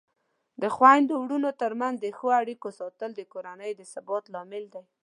د خویندو ورونو ترمنځ د ښو اړیکو ساتل د کورنۍ د ثبات لامل دی.